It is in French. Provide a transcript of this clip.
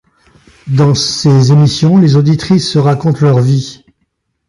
Dans ces émissions, les auditrices racontent leur vie.